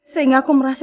sehingga aku merasa